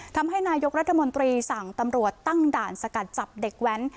ทำให้นายกรัฐมนตรีสั่งตำรวจตั้งด่านสกัดจับเด็กแว้น